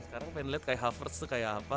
sekarang pengen lihat kayak havert tuh kayak apa